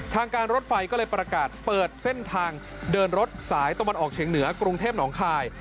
ทางการรถไฟก็เลยประกาศเปิดเส้นทางเดินรถสายตะวันออกเฉียงเหนือกรุงเทพหนองคาย